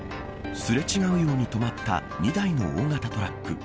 すれ違うように止まった２台の大型トラック。